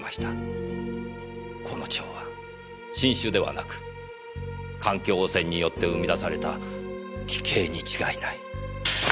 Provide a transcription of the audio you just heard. この蝶は新種ではなく環境汚染によって生み出された奇形に違いない。